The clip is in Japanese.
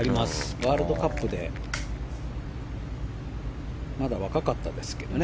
ワールドカップでまだ若かったですけどね。